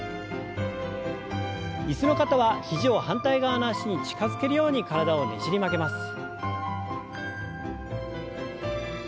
椅子の方は肘を反対側の脚に近づけるように体をねじり曲げます。